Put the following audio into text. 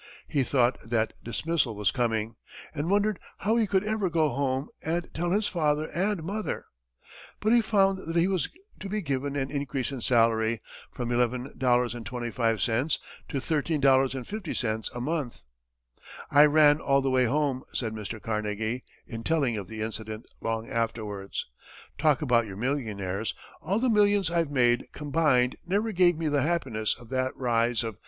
He thought that dismissal was coming, and wondered how he could ever go home and tell his father and mother! But he found that he was to be given an increase in salary, from $11.25 to $13.50 a month. "I ran all the way home," said Mr. Carnegie, in telling of the incident, long afterwards. "Talk about your millionaires! All the millions I've made combined, never gave me the happiness of that rise of $2.